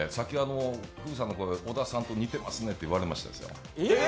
小田さんと似てますねって言われましたよ。